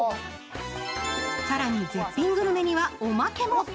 更に絶品グルメにはおまけも。